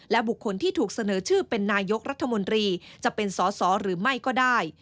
บุคคลที่ถูกเสนอชื่อเป็นนายกรัฐมนตรีจะเป็นสอสอหรือไม่ก็ได้